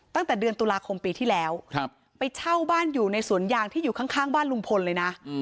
ตั้งแต่เดือนตุลาคมปีที่แล้วไปเช่าบ้านอยู่ในสวนยางที่อยู่ข้างบ้านลุงพลเลยนะ